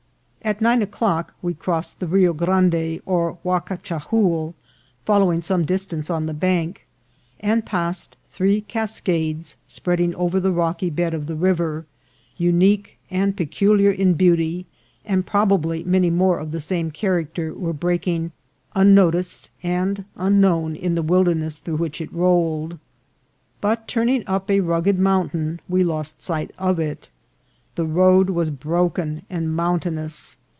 At nine o'clock we crossed the Rio Grande or Huacachahoul, followed some distance on the bank, and passed three cascades spreading over the rocky bed of the river, unique and peculiar in beauty, and probably many more of the same character were break ing unnoticed and unknown in the wilderness through which it rolled ; but, turning up a rugged mountain, we lost sight of it. The road was broken and mountain ous.